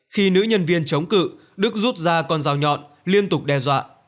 khi nữ nhân viên chống cự đức rút ra con dao nhọn liên tục đe dọa